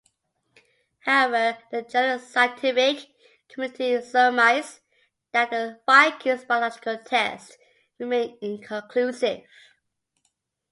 However, the general scientific community surmise that the Viking's biological tests remain inconclusive.